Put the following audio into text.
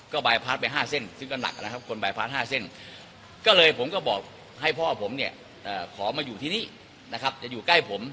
ก็บลายพลาดไป๕เส้นก็เลยผมก็บอกให้พ่อผมขอมาอยู่ที่นี่จะอยู่ใกล้ผม